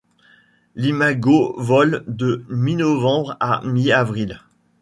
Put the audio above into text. L'imago vole de mi-novembre à mi-avril.